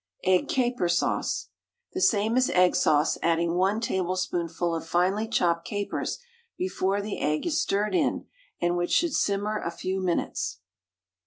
EGG CAPER SAUCE. The same as "Egg Sauce," adding 1 tablespoonful of finely chopped capers before the egg is stirred in, and which should simmer a few minutes.